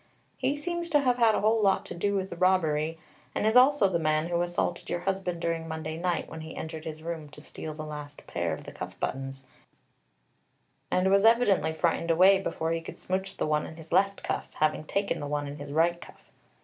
He seems to have had a whole lot to do with the robbery, and is also the man who assaulted your husband during Monday night when he entered his room to steal the last pair of the cuff buttons, and was evidently frightened away before he could smouch the one in his left cuff, having taken the one in his right cuff.